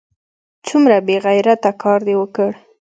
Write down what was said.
څومره بې غیرته کار دې وکړ!